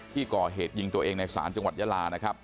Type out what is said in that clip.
ก่อเหตุยิงตัวเองในศาลจังหวัดยาลานะครับ